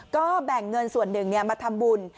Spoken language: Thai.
ก็แบ่งเงินส่วนหนึ่งมาทำบุญ